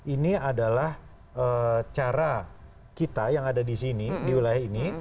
ini adalah cara kita yang ada di sini di wilayah ini